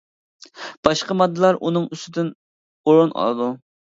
باشقا ماددىلار ئۇنىڭ ئۈستىدىن ئورۇن ئالىدۇ.